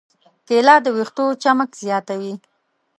کېله د ویښتو چمک زیاتوي.